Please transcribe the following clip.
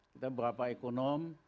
kita berapa ekonom